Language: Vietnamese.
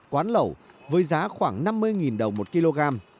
quán lẩu với giá khoảng năm mươi đồng một kg